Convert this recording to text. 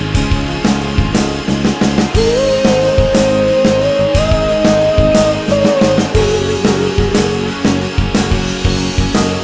ที่สร้างไกลด้วยตัวฉันเอง